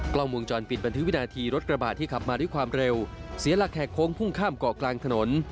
กล้องวงจรปิดบันทึกวินาทีรถกระบาดที่ขับมาด้วยความเร็วเสียหลักแหกโค้งพุ่งข้ามเกาะกลางถนน